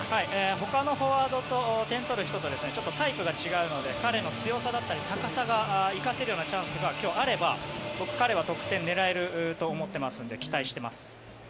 ほかのフォワードと点を取る人とちょっとタイプが違うので彼の強さや高さが生かせるチャンスが今日あれば、僕、彼は得点狙えると思っていますので期待しています。